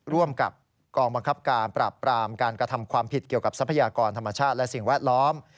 ร่วมกับกองบังคับการปราบปรามการกระทำความผิดเกี่ยวกับทรัพยากรธรรมชาติและสิ่งแวดล้อม